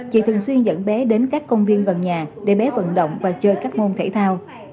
chị thường xuyên dẫn bé đến các công viên gần nhà để bé vận động và chơi các môn thể thao